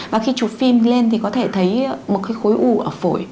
và khi chụp phim lên thì có thể thấy một cái khối u ở phổi